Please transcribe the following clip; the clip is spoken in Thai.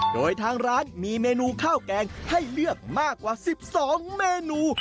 โดยทางร้านมีเมนูข้าวแกงให้เลือกมากกว่า๑๒เมนู